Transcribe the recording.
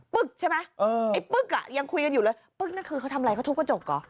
ใช่ไหมไอ้ปึ๊กอ่ะยังคุยกันอยู่เลยปึ๊กนั่นคือเขาทำอะไรเขาทุบกระจกเหรอ